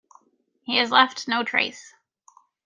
He has left no trace.